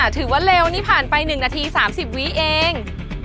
ถือว่าเร็วนี่ผ่านไป๑นาที๓๐วิเอง